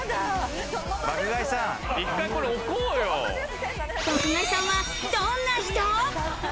爆買いさんはどんな人？